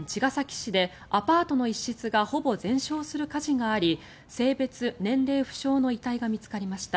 市でアパートの一室がほぼ全焼する火事があり性別・年齢不詳の遺体が見つかりました。